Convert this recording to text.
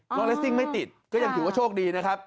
เลสซิ่งไม่ติดก็ยังถือว่าโชคดีนะครับ